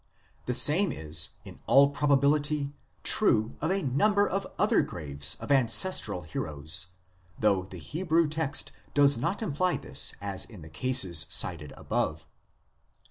The same is, in all probability, true of a number of other graves of ancestral heroes, though the Hebrew text does not imply this as in the cases cited above.